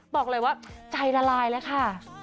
บอกเลยว่าใจละลายแล้วค่ะ